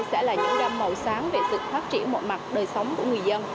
buồn trong thiên tai sẽ là những đêm màu sáng về sự phát triển mọi mặt đời sống của người dân